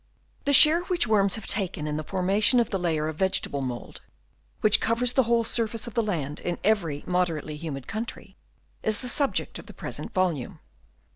The share which worms have taken in the formation of the layer of vegetable mould, which covers the whole surface of the land in every moderately humid country, is the subject of the present volume.